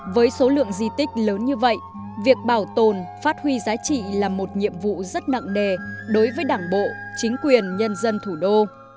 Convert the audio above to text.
với số lượng di tích lớn như vậy việc bảo tồn phát huy giá trị là một nhiệm vụ rất nặng đề đối với đảng bộ chính quyền nhân dân thủ đô